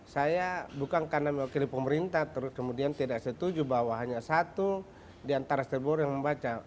saya bukan karena mewakili pemerintah terus kemudian tidak setuju bahwa hanya satu di antara seribu orang yang membaca